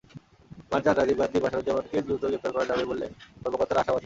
মারজান, রাজীব গান্ধী, বাশারুজ্জামানকে দ্রুত গ্রেপ্তার করা যাবে বলে কর্মকর্তারা আশাবাদী।